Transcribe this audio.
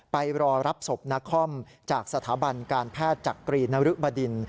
ไปรอรับศพนาคอมจากสถาบันการแพทย์จักรีนรึบดิน